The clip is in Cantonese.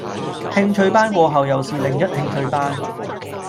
興趣班過後又是另一興趣班